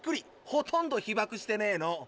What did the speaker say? ほとんどひばくしてねえの。